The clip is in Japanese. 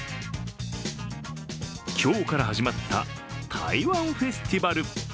今日から始まった台湾フェスティバル。